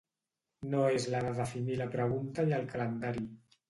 No és la de definir la pregunta i el calendari.